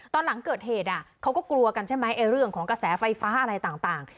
ตอนหลังเกิดเหตุเขาก็กลัวกันใช่ไหมเรื่องของกระแสไฟฟ้าอะไรต่าง